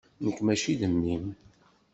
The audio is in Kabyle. Nekk mačči d mmi-m.